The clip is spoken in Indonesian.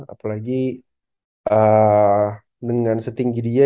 apalagi dengan setinggi dia